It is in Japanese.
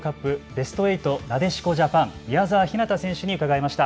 ベスト８なでしこジャパン宮澤ひなた選手に伺いました。